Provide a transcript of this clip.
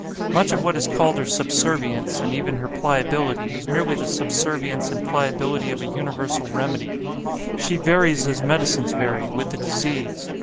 Much of what is called her subservience, and even her pliability, is merely the subservience and pliability of a universal remedy; she varies as medicines vary, with the disease.